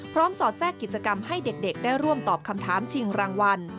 สอดแทรกกิจกรรมให้เด็กได้ร่วมตอบคำถามชิงรางวัล